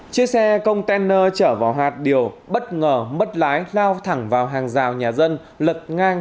chiếc xe container chở vào hạt điều bất ngờ mất lái lao thẳng vào hàng rào nhà dân lật ngang